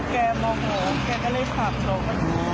แกมองโหแกก็เลยขับลง